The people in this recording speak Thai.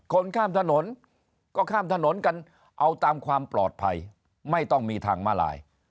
คนข้ามถนนก็ข้ามถนนกันเอาตามความปลอดภัยไม่ต้องมีทางมาลาย